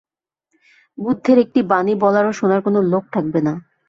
বুদ্ধের একটি বাণী বলার ও শোনার কোনো লোক থাকবে না।